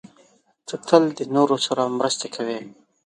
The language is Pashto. ته تل د نورو سره مرسته کوې.